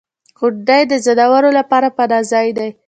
• غونډۍ د ځناورو لپاره پناه ځای دی.